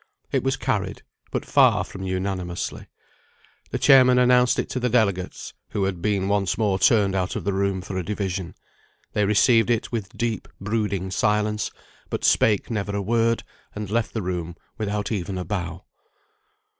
It was carried, but far from unanimously. The chairman announced it to the delegates (who had been once more turned out of the room for a division). They received it with deep brooding silence, but spake never a word, and left the room without even a bow.